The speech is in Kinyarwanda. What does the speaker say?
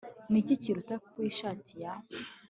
Niki kiri ku ishati ya